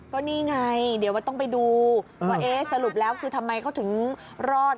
ก็นี่ไงเดี๋ยวว่าต้องไปดูว่าเอ๊ะสรุปแล้วคือทำไมเขาถึงรอด